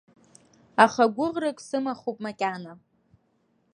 Аха гәыӷрак сымахуп макьана.